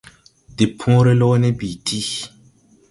De pööre loone bi ti.